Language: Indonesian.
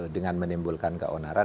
dengan menimbulkan keonaran